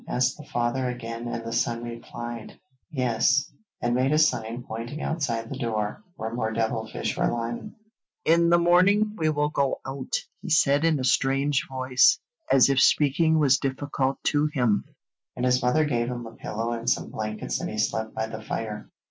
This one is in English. asked the father again, and the son replied: [Illustration: THE DEAD SON HELPS HIS PARENTS] 'Yes,' and made a sign, pointing outside the door, where more devil fish were lying. 'In the morning we will go out,' he said in a strange voice, as if speaking was difficult to him, and his mother gave him a pillow and some blankets and he slept by the fire.